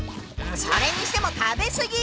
それにしても食べ過ぎ！